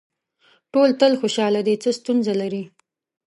ټول تل خوشاله دي څه ستونزه لري.